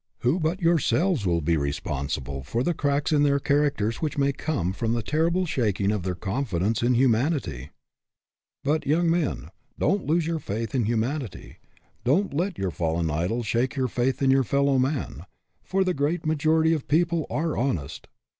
Who but SUCCESS WITH A FLAW 235 yourselves will be responsible for the cracks in their characters which may come from the terrible shaking of their confidence in human ity? But, young men, don't lose your faith in humanity don't let your fallen idols shake your faith in your fellow men for the great majority of people are honest.